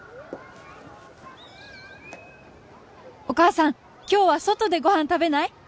「お母さん今日は外でご飯食べない？」